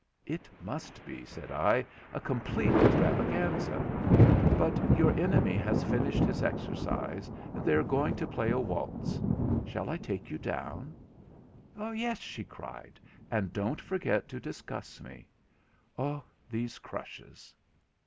'It must be,' said I, 'a complete extravaganza. But your enemy has finished his exercise, and they are going to play a waltz. Shall I take you down?' 'Yes,' she cried, 'and don't forget to discuss me. Oh, these crushes!'